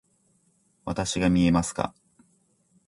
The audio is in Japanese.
わたしが見えますか？